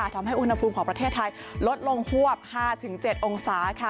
ทำให้อุณหภูมิของประเทศไทยลดลงฮวบ๕๗องศา